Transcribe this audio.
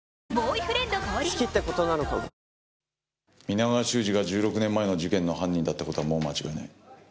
皆川修二が１６年前の事件の犯人だった事はもう間違いない。